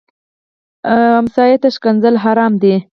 ګاونډي ته ښکنځل حرام دي